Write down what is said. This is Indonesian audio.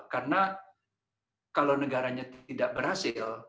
karena kalau negaranya tidak berhasil